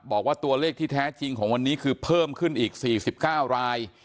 บอกว่าตัวเลขที่แท้จริงของวันนี้คือเพิ่มขึ้นอีก๔๙ราย